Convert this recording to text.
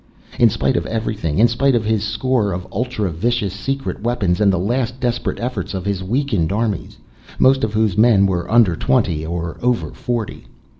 In spite of everything; in spite of his score of ultra vicious secret weapons and the last desperate efforts of his weakened armies, most of whose men were under twenty or over forty.